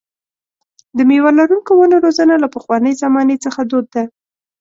د مېوه لرونکو ونو روزنه له پخوانۍ زمانې څخه دود ده.